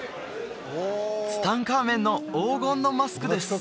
ツタンカーメンの黄金のマスクです！